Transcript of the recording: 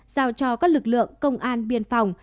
giao cho các lực lượng công an biên phòng